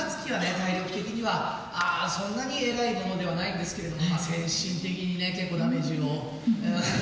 体力的にはそんなにえらいものではないんですけれども。